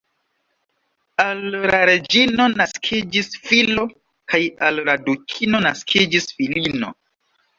Al la reĝino naskiĝis filo kaj al la dukino naskiĝis filino.